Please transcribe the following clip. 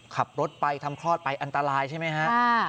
ขับรถไปทำคลอดไปอันตรายใช่ไหมฮะ